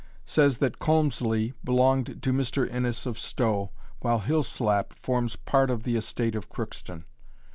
says that Colmslie belonged to Mr. Innes of Stow, while Hillslap forms part of the estate of Crookston.